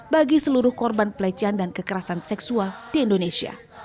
bagi seluruh korban pelecehan dan kekerasan seksual di indonesia